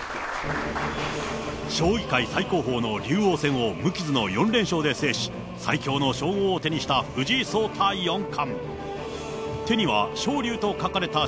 将棋界最高峰の竜王戦を無傷の４連勝で制し、最強の称号を手にした藤井聡太四冠。